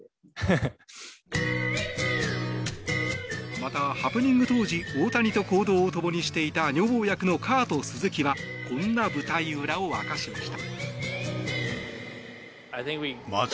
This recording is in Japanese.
また、ハプニング当時大谷と行動を共にしていた女房役のカート・スズキはこんな舞台裏を明かしました。